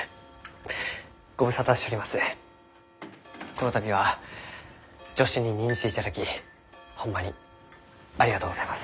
この度は助手に任じていただきホンマにありがとうございます。